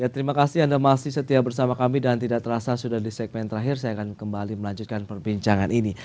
terima kasih anda masih setia bersama kami dan tidak terasa sudah di segmen terakhir saya akan kembali melanjutkan perbincangan ini